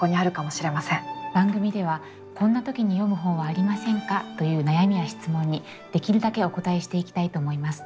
番組では「こんな時に読む本はありませんか？」という悩みや質問にできるだけお応えしていきたいと思います。